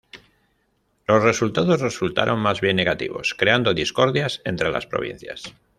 Los resultados resultaron más bien negativos, creando discordias entre las provincias.